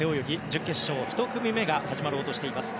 準決勝１組目が始まろうとしています。